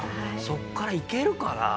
そっからいけるかな？